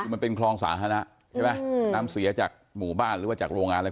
คือมันเป็นคลองสาธารณะใช่ไหมน้ำเสียจากหมู่บ้านหรือว่าจากโรงงานอะไร